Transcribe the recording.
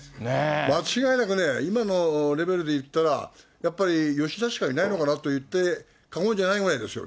間違いなくね、今のレベルでいったら、やっぱり吉田しかいないのかなといって過言じゃないぐらいですよ